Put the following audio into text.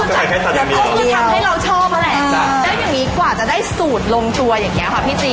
ก็คือทำให้เราชอบนั่นแหละแล้วอย่างนี้กว่าจะได้สูตรลงตัวอย่างเงี้ค่ะพี่จี